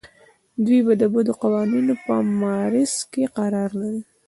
دوی د بدو قوانینو په معرض کې قرار لري.